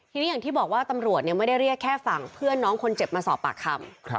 ทีนี้อย่างที่บอกว่าตำรวจไม่ได้เรียกแค่ฝั่งเพื่อนน้องคนเจ็บมาสอบปากคำ